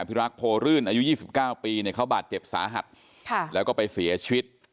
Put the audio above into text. พิรักษ์โพรื่นอายุ๒๙ปีเนี่ยเขาบาดเจ็บสาหัสแล้วก็ไปเสียชีวิต